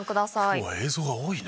今日は映像が多いね。